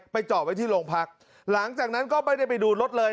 จอดไว้ที่โรงพักหลังจากนั้นก็ไม่ได้ไปดูรถเลย